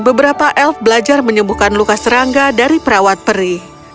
beberapa elf belajar menyembuhkan luka serangga dari perawat peri